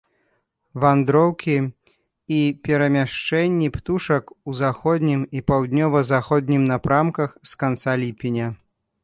Вандроўкі і перамяшчэнні птушак у заходнім і паўднёва-заходнім напрамках з канца ліпеня.